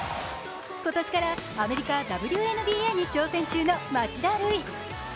今年からアメリカＷＮＢＡに挑戦中の町田瑠唯。